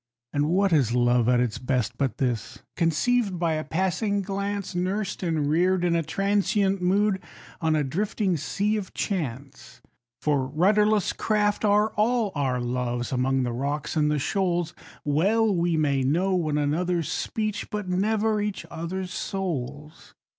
And what is love at its best, but this? Conceived by a passing glance, Nursed and reared in a transient mood, on a drifting Sea of Chance. For rudderless craft are all our loves, among the rocks and the shoals, Well we may know one another's speech, but never each other's souls.